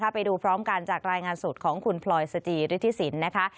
ไปดูพร้อมกันจากรายงานสดของคุณพลอยสจิฤทธิสินนะคะ